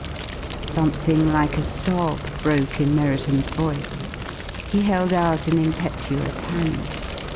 Something like a sob broke in Merriton's voice. He held out an impetuous hand.